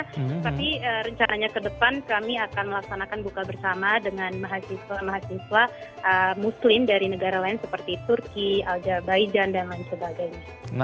tapi rencananya ke depan kami akan melaksanakan buka bersama dengan mahasiswa mahasiswa muslim dari negara lain seperti turki aljabaijan dan lain sebagainya